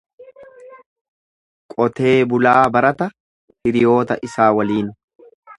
Qotee bulaa barata hiriyoota isaa waliin.